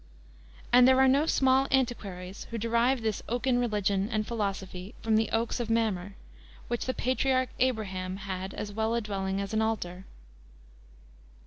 But there are no small antiquaries who derive this oaken religion and philosophy from the Oaks of Mamre, where the Patriarch Abraham had as well a dwelling as an altar.